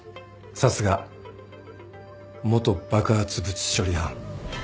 さすが元爆発物処理班。